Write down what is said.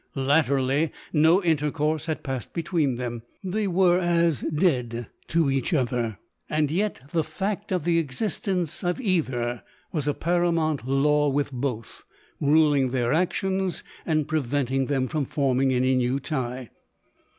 Latterly no intercourse had passed between them, they were as dead to each other ; and yet the fact of the existence of either was a paramount law with both, ruling their actions and preventing them from forming any new tie.